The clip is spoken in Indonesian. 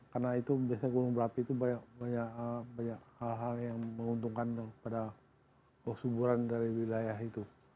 karena itu gunung berapi itu banyak hal hal yang menguntungkan kepada kesuburan dari wilayah itu